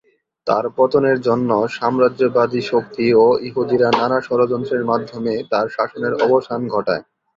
তার পতনের জন্য সাম্রাজ্যবাদী শক্তি ও ইহুদিরা নানা ষড়যন্ত্রের মাধ্যমে তার শাসনের অবসান ঘটায়।